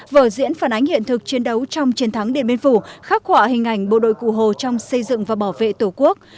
vở diễn phản ánh hiện thực chiến đấu trong chiến thắng điện biên phủ khắc họa hình ảnh bộ đội cụ hồ trong xây dựng và bảo vệ tổ quốc